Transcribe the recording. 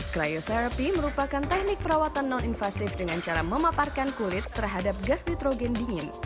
cryoffery merupakan teknik perawatan non invasif dengan cara memaparkan kulit terhadap gas nitrogen dingin